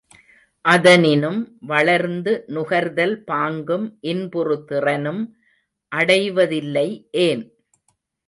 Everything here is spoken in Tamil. அதனினும் வளர்ந்து நுகர்தல் பாங்கும் இன்புறு திறனும் அடைவதில்லை ஏன்?